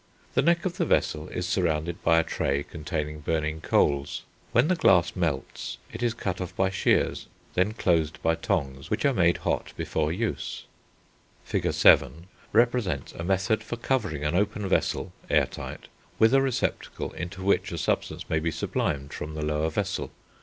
p. 80. The neck of the vessel is surrounded by a tray containing burning coals; when the glass melts it is cut off by shears, and then closed by tongs, which are made hot before use. Fig. VII. p. 81, represents a method for covering an open vessel, air tight, with a receptacle into which a substance may be sublimed from the lower vessel.